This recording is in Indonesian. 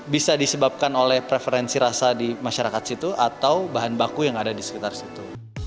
bisa disebabkan oleh preferensi rasa di masyarakat situ atau bahan baku yang ada di sekitar situ